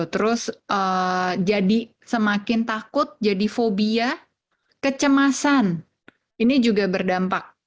terus jadi semakin takut jadi fobia kecemasan ini juga berdampak